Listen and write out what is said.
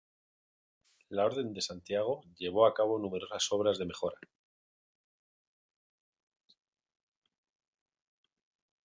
La Orden de Santiago llevó a cabo numerosas obras de mejora.